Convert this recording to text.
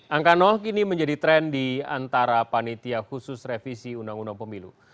angka kini menjadi tren di antara panitia khusus revisi undang undang pemilu